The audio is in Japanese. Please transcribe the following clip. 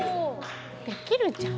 できるじゃん！